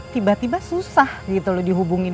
tiba tiba susah gitu loh dihubungin